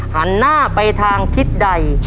หันหน้าไปทางทิศใด